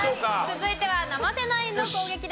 続いては生瀬ナインの攻撃です。